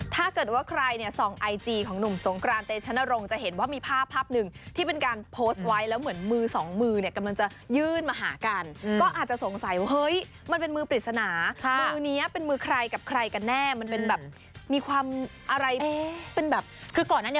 ถ้าเกิดว่าใครส่องไอจีของหนุ่มสงกราน